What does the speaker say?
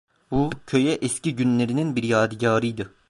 Bu, köye eski günlerinin bir yadigarıydı.